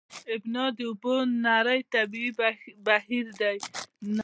ابنا د اوبو نری طبیعي بهیر دی.